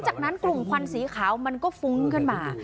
ด้านกลุ่มควันสีเขามันก็ฟุ้งขึ้นมา